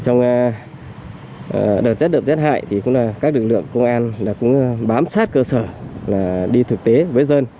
trong đợt xét đậm thiệt hại các lực lượng công an cũng bám sát cơ sở đi thực tế với dân